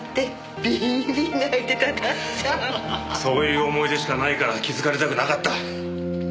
そういう思い出しかないから気づかれたくなかった。